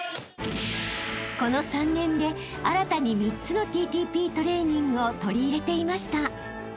［この３年で新たに３つのＴＴＰトレーニングを取り入れていました］